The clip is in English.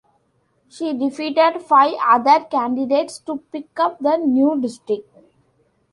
She defeated five other candidates to pick up the new district.